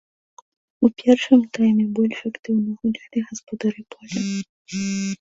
У першым тайме больш актыўна гулялі гаспадары поля.